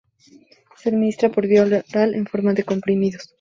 Se administra por vía oral en forma de comprimidos.